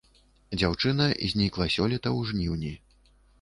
Дзяўчына знікла сёлета ў жніўні.